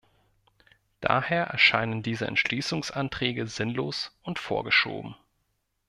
Daher erscheinen diese Entschließungsanträge sinnlos und vorgeschoben.